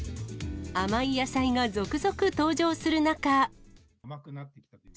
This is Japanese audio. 甘い野菜が続々登場する中。